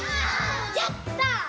やった！